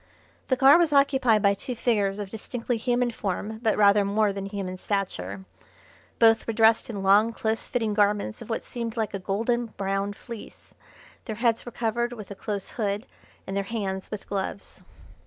The car was occupied by two figures of distinctly human form but rather more than human stature. Both were dressed in long, close fitting garments of what seemed like a golden brown fleece. Their heads were covered with a close hood and their hands with gloves.